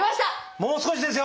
もう少しですよ！